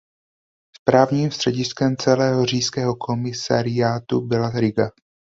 Správním střediskem celého říšského komisariátu byla Riga.